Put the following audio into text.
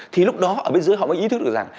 thì lúc đó ở bên dưới họ mới ý thức được rằng